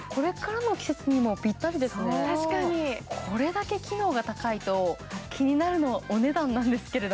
これだけ機能が高いと、気になるのがお値段なんですけど。